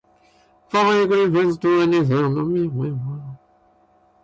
Public refers to anything related to the government, state, or society as a whole.